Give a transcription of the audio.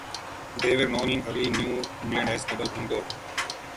They were known in early New England as a double-hung door.